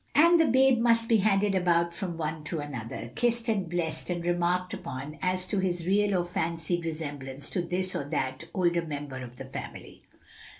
And the babe must be handed about from one to another, kissed and blessed and remarked upon as to his real or fancied resemblance to this or that older member of the family.